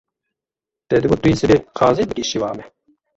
Te digot tu yê sibê qazê bikî şîva me?